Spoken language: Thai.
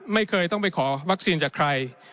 ไม่เคยต้องไปขอวัคซีนจากใคร